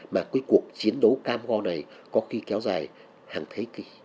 mà cái cuộc chiến đấu cam go này có khi kéo dài hàng thế kỷ